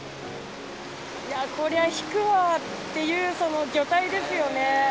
いやこりゃ引くわっていう魚体ですよね。